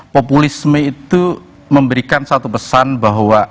populisme itu memberikan satu pesan bahwa